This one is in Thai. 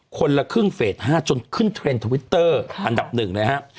คนละครึ่งเฟส๕จนขึ้นเทรนด์ทวิตเตอร์อันดับหนึ่งเลยฮะ